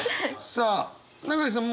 さあ永井さん